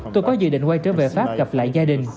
tôi có dự định quay trở về pháp gặp lại gia đình